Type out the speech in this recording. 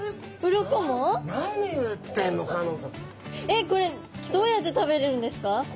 えっこれどうやって食べるんですか？